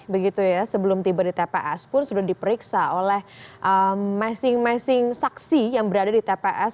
begitu ya sebelum tiba di tps pun sudah diperiksa oleh masing masing saksi yang berada di tps